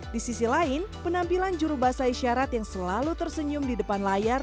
di sisi lain penampilan juru bahasa isyarat yang selalu tersenyum di depan layar